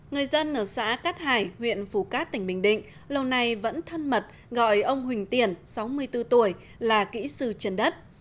người dân ở xã cát hải huyện phù cát tỉnh bình định lâu nay vẫn thân mật gọi ông huỳnh tiển sáu mươi bốn tuổi là kỹ sư trần đất